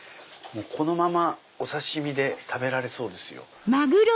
このままお刺し身で食べられそうですよ。